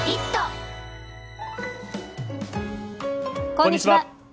こんにちは。